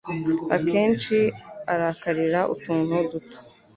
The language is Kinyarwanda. Akenshi arakarira utuntu duto.